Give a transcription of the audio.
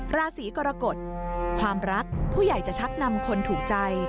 ราศีกรกฎความรักผู้ใหญ่จะชักนำคนถูกใจ